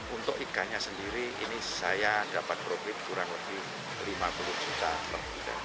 untuk ikannya sendiri ini saya dapat profit kurang lebih lima puluh juta per bulan